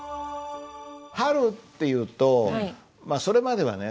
春っていうとそれまではね